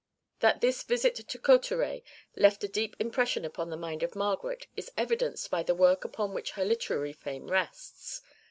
That this visit to Cauterets left a deep impression upon the mind of Margaret is evidenced by the work upon which her literary fame rests.